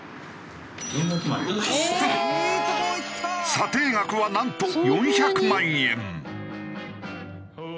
査定額はなんと４００万円。